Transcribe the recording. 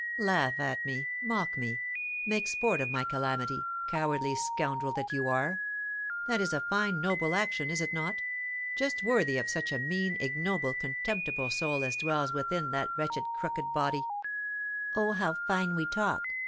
"Laugh at me! mock me! make sport of my calamity, cowardly scoundrel that you are! That is a fine, noble action, is it not? Just worthy of such a mean, ignoble, contemptible soul as dwells within that wretched, crooked body!" "Oh, how fine we talk!